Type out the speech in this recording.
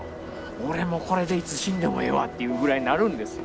俺もうこれでいつ死んでもええわっていうぐらいになるんですよ。